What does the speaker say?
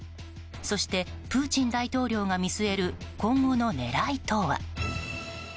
そして、プーチン大統領が見据える今後の狙いとは？